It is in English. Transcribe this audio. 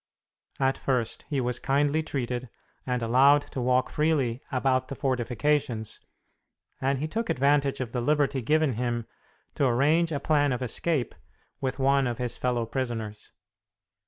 At first he was kindly treated and allowed to walk freely about the fortifications, and he took advantage of the liberty given him to arrange a plan of escape with one of his fellow prisoners.